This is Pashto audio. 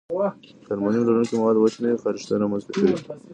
که المونیم لرونکي مواد وچ نه وي، خارښت رامنځته کېږي.